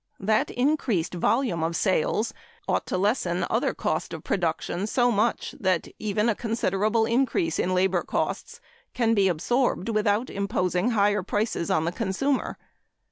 That increased volume of sales ought to lessen other cost of production so much that even a considerable increase in labor costs can be absorbed without imposing higher prices on the consumer.